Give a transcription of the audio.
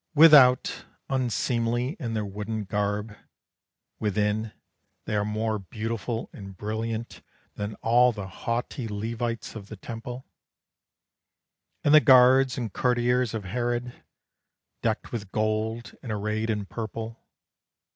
Without, unseemly in their wooden garb, Within, they are more beautiful and brilliant Than all the haughty Levites of the Temple, And the guards and courtiers of Herod, Decked with gold and arrayed in purple.